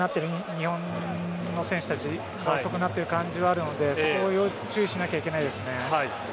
日本の選手たち遅くなっている感じがあるのでそこも注意しなきゃいけないですね。